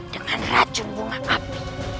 dengan racun bunga api